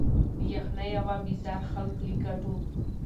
له یخنیه وه بېزار خلک له ګټو